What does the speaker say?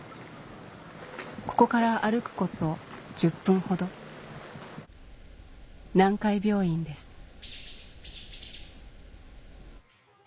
ここから歩くこと１０分ほど南海病院です